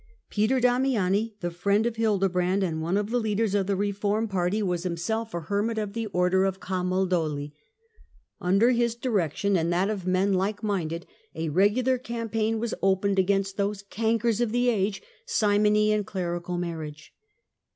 Peter Damiani, the friend of Hildebrand, and one of the leaders of the reform 60 THE CENTRAL PERIOD OF THE MIDDLE AGE party, was himself a hermit of the Order of Camaldoli. Under his direction, and that of men like minded, a regular campaign was opened against those " cankers " of the age, simony and clerical marriage.